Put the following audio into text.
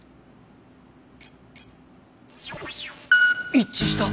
一致した。